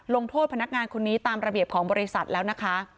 โทษพนักงานคนนี้ตามระเบียบของบริษัทแล้วนะคะ